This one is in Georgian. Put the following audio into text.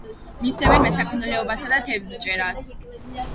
მისდევენ მესაქონლეობასა და თევზჭერას.